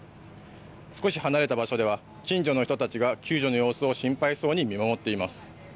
少し離れた場所では近所の人たちが救助の様子を心配そうに見守っています。